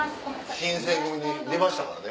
新選組に出ましたからね。